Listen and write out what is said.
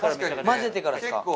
混ぜてからですか？